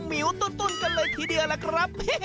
หิวตุ้นกันเลยทีเดียวล่ะครับ